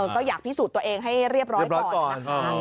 ก็อยากพิสูจน์ตัวเองให้เรียบร้อยก่อนนะคะ